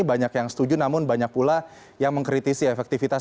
banyak yang setuju namun banyak pula yang mengkritisi efektivitas